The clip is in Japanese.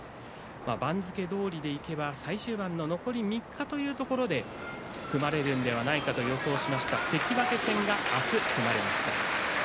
番付どおりでいけば最終盤の残り３日というところで組まれるのではないかと予想しました関脇戦が明日、組まれました。